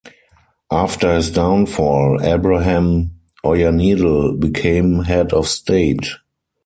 After his downfall, Abraham Oyanedel became head of state.